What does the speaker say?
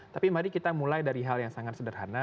tapi mari kita mulai dari hal yang sangat sederhana